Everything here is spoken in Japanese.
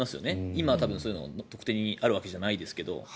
今、そういうのがあるわけじゃないですけど。